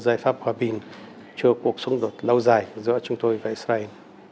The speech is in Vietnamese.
giải pháp hòa bình cho cuộc xung đột lâu dài giữa chúng tôi và israel